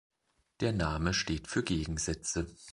Der Name steht für Gegensätze.